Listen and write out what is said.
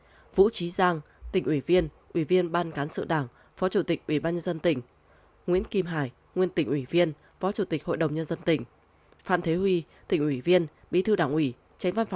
nguyễn trung hải ủy viên ban thường vụ tỉnh ủy phó chủ tịch hội đồng nhân dân tỉnh nguyễn trung hải ủy viên ban thường vụ tỉnh nguyễn trung hải ủy viên ban thường vụ tỉnh